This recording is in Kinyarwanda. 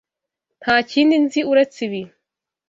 Nta kindi nzi uretse ibi.